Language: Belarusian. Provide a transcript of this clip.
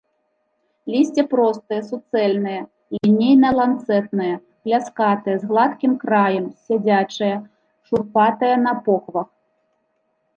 Лісце простае, суцэльнае, лінейна-ланцэтнае, пляскатае, з гладкім краем, сядзячае, шурпатае на похвах.